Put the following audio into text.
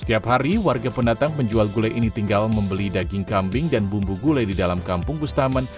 setiap hari warga pendatang penjual gulai ini tinggal membeli daging kambing dan bumbu gulai di dalam kampung bustaman